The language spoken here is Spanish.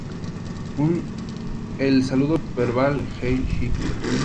El saludo verbal "Heil Hitler!